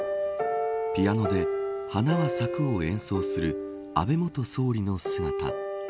ピアノで花が咲くを演奏する安倍元総理の姿。